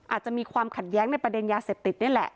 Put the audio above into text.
อาจจะมีความขัดแย้งในประเด็นยาเสพติดนี่แหละ